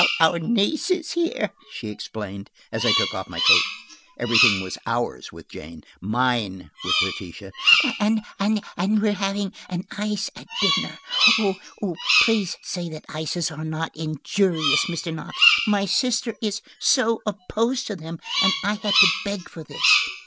"Our niece is here," she explained, as I took off my coat–everything was "ours" with Jane; "mine" with Letitia–"and we are having an ice at dinner. Please say that ices are not injurious, Mr. Knox. My sister is so opposed to them and I had to beg for this."